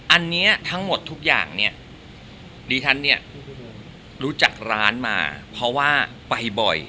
อันนี้ทั้งหมดทุกอย่างเนี่ยดิฉันเนี่ยรู้จักร้านมาเพราะว่าไปบ่อย